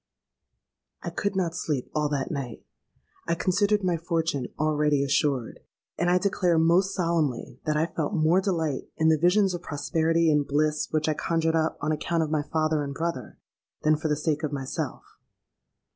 "I could not sleep all that night! I considered my fortune already assured; and I declare most solemnly that I felt more delight, in the visions of prosperity and bliss which I conjured up, on account of my father and brother, than for the sake of myself.